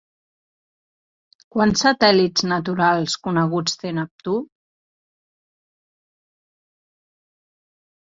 Quants satèl·lits naturals coneguts té Neptú?